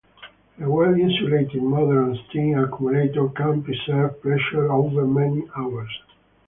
A well insulated modern steam accumulator can preserve pressure over many hours.